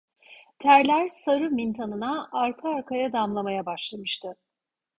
Terler sarı mintanına arka arkaya damlamaya başlamıştı.